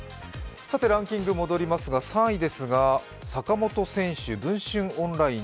ランキング戻りますが３位ですが、坂本選手、文春オンライン。